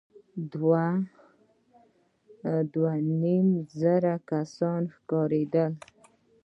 دوه ، دوه نيم زره کسان ښکارېدل.